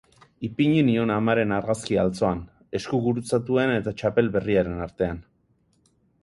Ipini nion amaren argazkia altzoan, esku gurutzatuen eta txapel berriaren artean.